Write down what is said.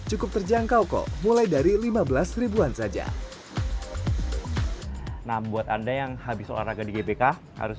cukup terjangkau kok mulai dari lima belas ribuan saja nah buat anda yang habis olahraga di gbk harus